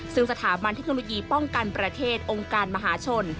ซึ่งสถาบันเทคโนโลยีป้องกันประเทศองค์การมหาชน